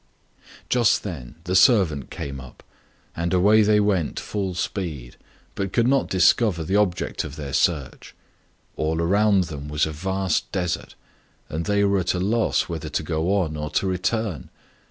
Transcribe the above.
Just then the 60 STRANGE STORIES servant came up, and away they went full speed, but could not discover the object of their search. All around them was a vast desert, and they were at a loss whether to go on or to return.